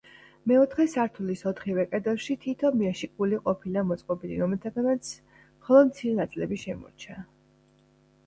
მეოთხე სართულის ოთხივე კედელში თითო მაშიკული ყოფილა მოწყობილი, რომელთაგანაც მხოლოდ მცირე ნაწილები შემორჩა.